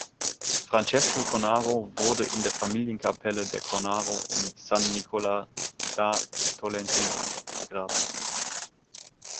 Francesco Cornaro wurde in der Familienkapelle der Cornaro in San Nicola da Tolentino begraben.